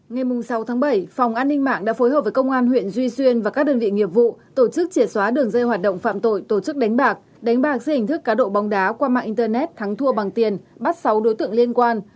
ngày sáu tháng bảy phòng an ninh mạng đã phối hợp với công an huyện duy xuyên và các đơn vị nghiệp vụ tổ chức trẻ xóa đường dây hoạt động phạm tội tổ chức đánh bạc đánh bạc dưới hình thức cá độ bóng đá qua mạng internet thắng thua bằng tiền bắt sáu đối tượng liên quan